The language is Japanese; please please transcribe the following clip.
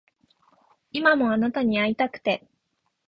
今もあなたに逢いたくて